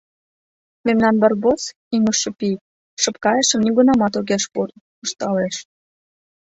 — Мемнан Барбос — ӱҥышӧ пий, шып кайышым нигунамат огеш пурл, — ышталеш.